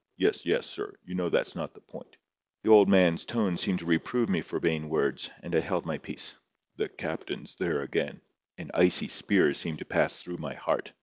"Yes, yes, sir. You know that's not the point." The old man's tone seemed to reprove me for vain words, and I held my peace. "The captain's there again." An icy spear seemed to pass through my heart.